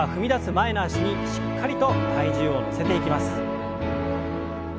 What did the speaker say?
前の脚にしっかりと体重を乗せていきます。